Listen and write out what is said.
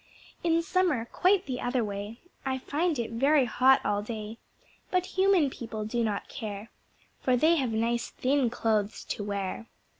In Summer quite the other way, I find it very hot all day, But Human People do not care, For they have nice thin clothes to wear.